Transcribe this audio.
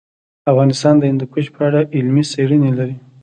افغانستان د هندوکش په اړه علمي څېړنې لري.